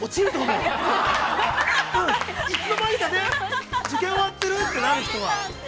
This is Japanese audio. うん、いつの間にか受験終わってるってなる人は。